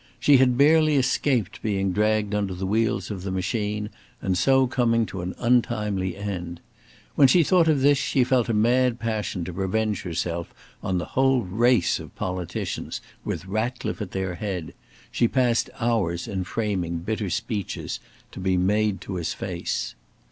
She had barely escaped being dragged under the wheels of the machine, and so coming to an untimely end. When she thought of this, she felt a mad passion to revenge herself on the whole race of politicians, with Ratcliffe at their head; she passed hours in framing bitter speeches to be made to his face.